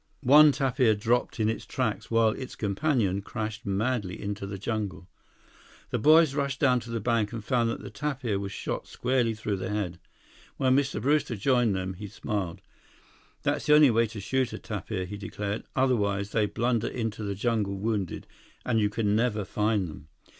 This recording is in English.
One tapir dropped in its tracks, while its companion crashed madly into the jungle. The boys rushed down to the bank and found that the tapir was shot squarely through the head. When Mr. Brewster joined them, he smiled. "That's the only way to shoot a tapir," he declared. "Otherwise, they blunder into the jungle wounded, and you can never find them.